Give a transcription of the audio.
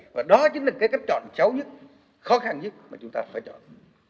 và đó chính là cái cách chọn cháu nhất khó khăn nhất mà chúng ta phải chọn